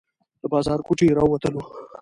له بازارګوټي راووتلو.